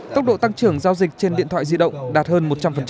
tốc độ tăng trưởng giao dịch trên điện thoại di động đạt hơn một trăm linh